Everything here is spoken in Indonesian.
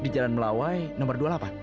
di jalan melawai nomor dua puluh delapan